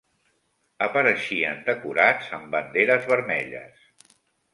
Apareixien decorats amb banderes vermelles